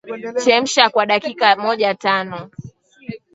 Chemsha kwa dakika mojatano